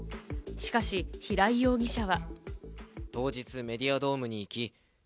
しかし平井容疑者は。